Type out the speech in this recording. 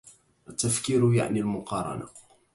التفكير يعني المقارنة